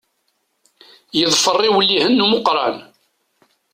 Yeḍfer iwellihen n umeqqran.